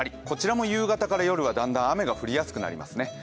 こちらも夕方から夜はだんだん雨が降りやすくなりますね。